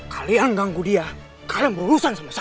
kalian ganggu dia kalian berurusan sama saya